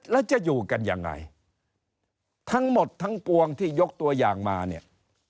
แล้วจะอยู่กันยังไงทั้งหมดทั้งปวงที่ยกตัวอย่างมาเนี่ย